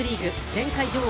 前回女王